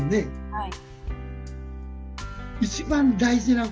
はい。